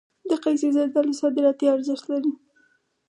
د قیسی زردالو صادراتي ارزښت لري.